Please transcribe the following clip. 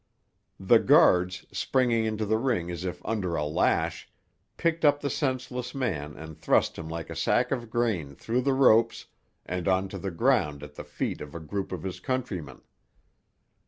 The guards, springing into the ring as if under a lash, picked up the senseless man and thrust him like a sack of grain through the ropes and on to the ground at the feet of a group of his countrymen.